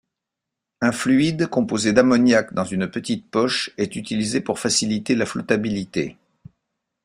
Un fluide composé d'ammoniac dans une petite poche est utilisé pour faciliter la flottabilité.